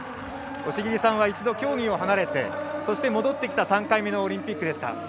押切さんは一度、競技を離れてそして、戻ってきた３回目のオリンピックでした。